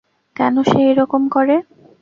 কেন সে এই রকম করে?